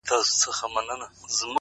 سایه یې نسته او دی روان دی ـ